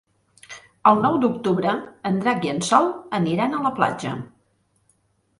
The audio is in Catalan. El nou d'octubre en Drac i en Sol aniran a la platja.